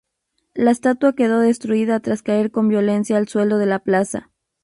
La estatua quedó destruida tras caer con violencia al suelo de la plaza.